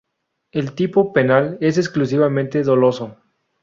El tipo penal es exclusivamente doloso.